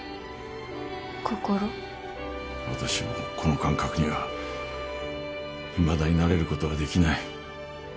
私もこの感覚にはいまだに慣れることはできない。